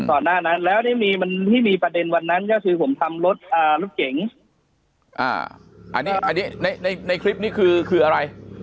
หน้านั้นแล้วนี่มีมันที่มีประเด็นวันนั้นก็คือผมทำรถรถเก๋งอันนี้อันนี้ในในคลิปนี้คือคืออะไร